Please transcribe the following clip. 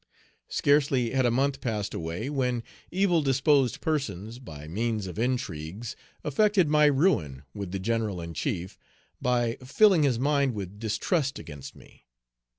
Scarcely had a month passed away, when evil disposed persons, by means of intrigues, effected my ruin with the General in chief, by filling his mind with distrust against me.